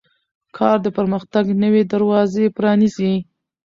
کار د پرمختګ نوې دروازې پرانیزي